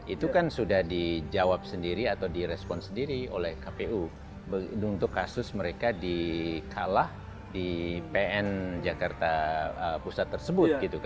itu kan sudah dijawab sendiri atau direspon sendiri oleh kpu untuk kasus mereka di kalah di pn jakarta pusat tersebut